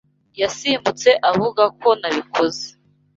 Yasimbutse avuga ko nabikoze.